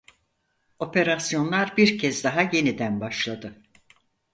Operasyonlar bir kez daha yeniden başladı.